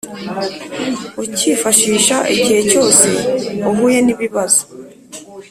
ucyifashisha igihe cyose uhuye n ibibazo